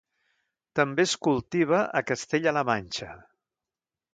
També es cultiva a Castella-la Manxa.